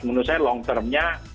menurut saya long termnya